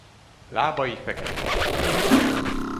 Lábai feketék.